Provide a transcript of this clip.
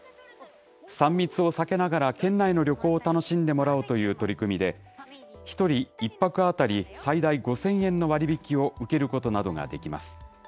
３密を避けながら県内の旅行を楽しんでもらおうという取り組みで、１人１泊当たり、最大５０００円の割引きを受けることなどができます。